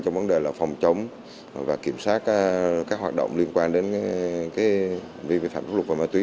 trong vấn đề là phòng chống và kiểm soát các hoạt động liên quan đến vi phạm pháp luật về ma túy